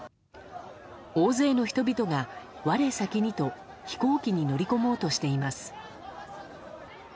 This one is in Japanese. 大勢の人々が我先にと飛行機に乗り込もうとしています。